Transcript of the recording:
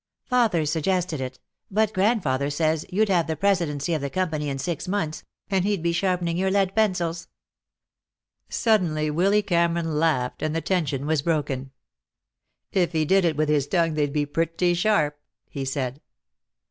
Father suggested it, but grandfather says you'd have the presidency of the company in six months, and he'd be sharpening your lead pencils." Suddenly Willy Cameron laughed, and the tension was broken. "If he did it with his tongue they'd be pretty sharp," he said.